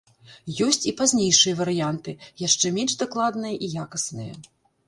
Ёсць і пазнейшыя варыянты, яшчэ менш дакладныя і якасныя.